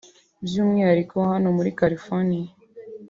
by’umwihariko hano muri California